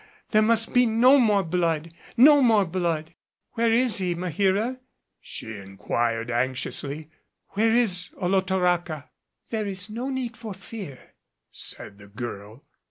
There must be no more blood no more blood! But where is he, Maheera?" she inquired anxiously. "Where is Olotoraca?" "There is no need for fear," said the girl.